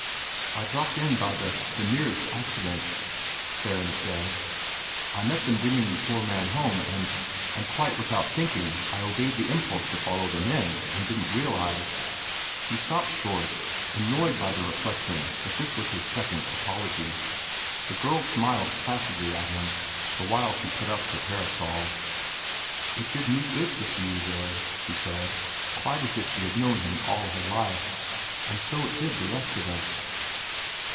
"I dropped in by the the merest accident," Theron said. "I met them bringing the poor man home, and and quite without thinking, I obeyed the impulse to follow them in, and didn't realize " He stopped short, annoyed by the reflection that this was his second apology. The girl smiled placidly at him, the while she put up her parasol. "It did me good to see you there," she said, quite as if she had known him all her life. "And so it did the rest of us."